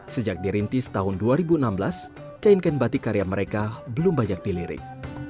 sejak dirintis tahun dua ribu enam belas kain kain batik karya mereka belum banyak dilirik